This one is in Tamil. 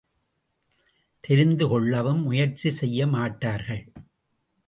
தெரிந்து கொள்ளவும் முயற்சி செய்ய மாட்டார்கள்.